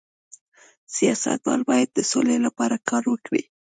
سیاستوال باید د سولې لپاره کار وکړي